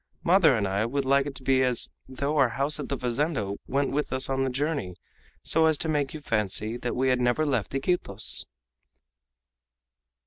Mother and I would like it to be as though our house at the fazenda went with us on the journey, so as to make you fancy that we had never left Iquitos!"